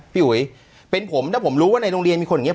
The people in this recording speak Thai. พี่อุ๋ยเป็นผมถ้าผมรู้ว่าในโรงเรียนมีคนอย่างเง